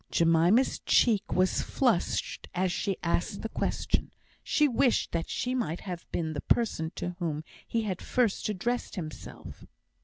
Jemima's cheek was flushed as she asked the question; she wished that she might have been the person to whom he had first addressed himself.